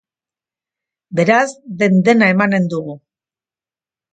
Beraz, den-dena emanen dugu.